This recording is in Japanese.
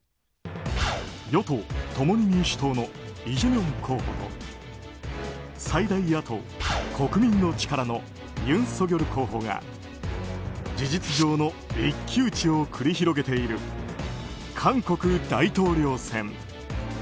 与党・共に民主党のイ・ジェミョン候補と最大野党・国民の力のユン・ソギョル候補が事実上の一騎打ちを繰り広げている韓国大統領選。